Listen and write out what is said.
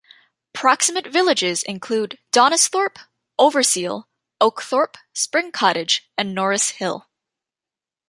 Proximate villages include Donisthorpe, Overseal, Oakthorpe, Spring Cottage and Norris Hill.